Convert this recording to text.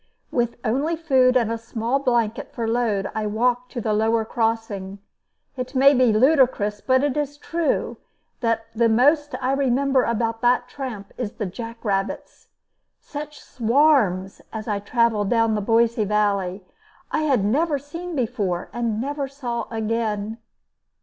With only food and a small blanket for load, I walked to the lower crossing. It may be ludicrous, but it is true, that the most I remember about that tramp is the jack rabbits. Such swarms, as I traveled down the Boise valley, I had never seen before and I never saw again.